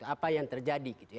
apa yang terjadi